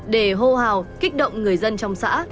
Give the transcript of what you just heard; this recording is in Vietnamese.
để hô hào kích động người dân trong xã